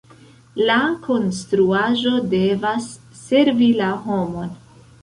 La konstruaĵo devas servi la homon.